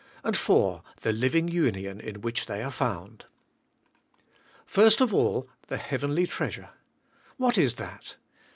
The living union in which they are found. First of all, the heavenly treasure. What is that?